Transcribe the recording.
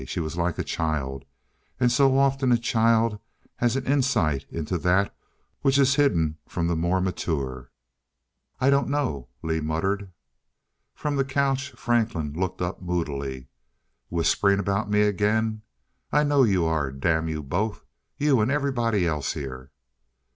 She was like a child and so often a child has an insight into that which is hidden from those more mature! "I don't know," Lee muttered. From the couch, Franklin looked up moodily. "Whispering about me again? I know you are damn you both. You and everybody else here."